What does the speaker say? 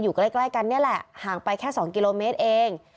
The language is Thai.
อยู่ใกล้กันนี่แหละห่างไปแค่๒กิโลเมตรเอง